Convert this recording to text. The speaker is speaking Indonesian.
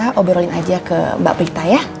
ngobrolin aja ke mbak berita ya